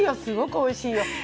すごくおいしいよ。